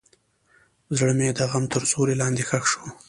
زړه مې د غم تر سیوري لاندې ښخ شو.